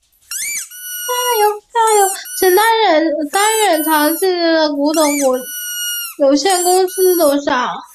担任长安信息产业集团股份有限公司董事长。